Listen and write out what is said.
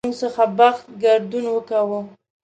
زموږ څخه بخت ګردون وکاږي.